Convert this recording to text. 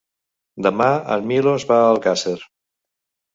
Demà en Milos va a Alcàsser.